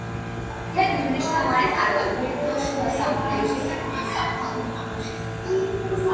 ძეგლი მნიშვნელოვანი წყაროა გვიანდელ შუა საუკუნეების საქართველოს საქალაქო წყობილების შესასწავლად.